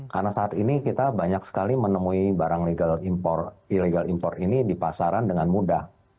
karena saat ini kita banyak sekali menemui barang ilegal impor ini di pasaran dengan mudah